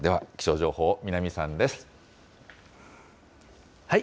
さあ、では気象情報、南さんです。